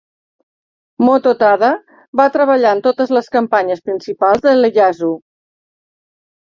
Mototada va treballar en totes les campanyes principals de Ieyasu.